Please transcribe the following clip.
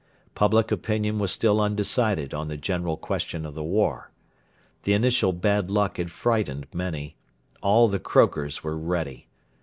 Public opinion was still undecided on the general question of the war. The initial bad luck had frightened many. All the croakers were ready.